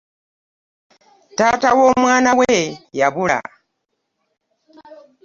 Taata w'omwana we yabula.